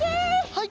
はい！